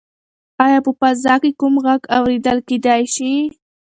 ایا په فضا کې کوم غږ اورېدل کیدی شي؟